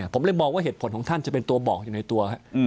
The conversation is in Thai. ผมเลยมองว่าเหตุผลของท่านจะเป็นตัวบอกอยู่ในตัว